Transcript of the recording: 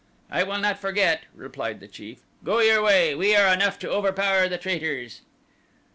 "I will not forget," replied the chief. "Go your way. We are enough to overpower the traitors."